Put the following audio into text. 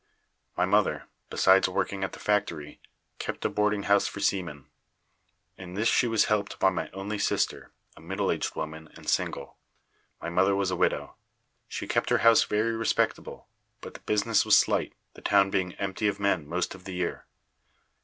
My mother, besides working at the factory, kept a boarding house for seamen. In this she was helped by my only sister, a middle aged woman and single. My mother was a widow. She kept her house very respectable, but the business was slight, the town being empty of men most of the year.